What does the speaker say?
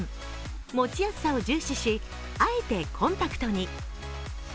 持ちやすさを重視し、あえてコンパクトに。